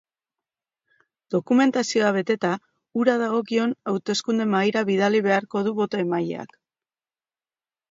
Dokumentazioa beteta, hura dagokion hauteskunde mahaira bidali beharko du boto-emaileak.